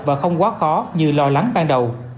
và không quá khó như lo lắng ban đầu